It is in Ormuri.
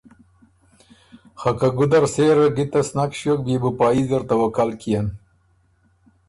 خه که ګُده ر سېره ګِتس نک ݭیوک بيې بُو پا يي زر توکل کيېن۔